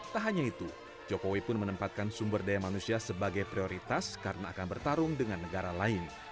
tak hanya itu jokowi pun menempatkan sumber daya manusia sebagai prioritas karena akan bertarung dengan negara lain